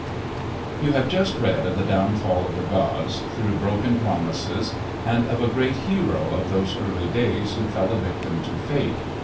You have just read of the downfall of the gods through broken promises, and of a great hero of those early days who fell a victim to fate.